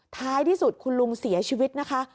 ท้ายที่สุดคุณลุงเสียชีวิตนะคะ